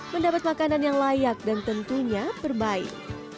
mendapat makanan yang layak dan tentunya perbaik